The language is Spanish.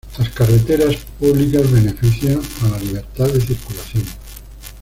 las carreteras públicas benefician a la libertad de circulación